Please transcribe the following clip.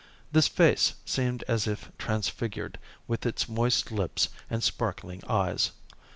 This face seemed as if transfigured, with its moist lips and sparkling eyes.